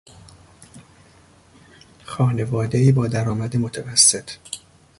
خانوادهای با درآمد متوسط